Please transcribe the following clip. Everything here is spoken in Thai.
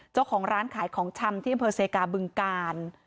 เจ้าของร้านขายของชำที่อำเภอเซกาบึงกาล